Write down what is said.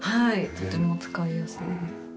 とても使いやすいです。